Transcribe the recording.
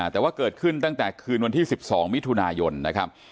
แต่ว่าเกิดขึ้นตั้งแต่คืนวันที่๑๒มิถุนายนนะครับ